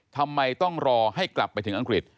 ทำไมต้องรอให้กลับไปถึงอังกฤษ